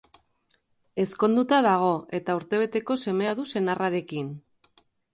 Ezkonduta dago, eta urtebeteko semea du senarrarekin.